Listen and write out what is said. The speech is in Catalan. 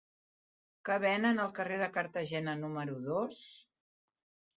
Què venen al carrer de Cartagena número dos?